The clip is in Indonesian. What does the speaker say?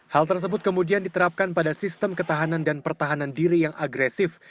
hal tersebut kemudian diterapkan pada sistem ketahanan dan pertahanan diri yang agresif